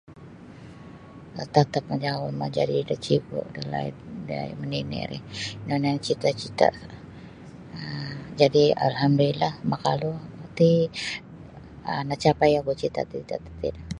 Tatapnyo majadi da cigu' dalaid da manini' ri ino nio cita'-cita' um jadi' alhamdulillah makalu ti um nacapai ogu cita'-cita' tatiri.